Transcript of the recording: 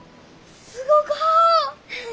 すごか！